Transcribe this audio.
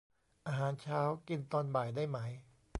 อาหารเช้ากินตอนบ่ายได้ไหม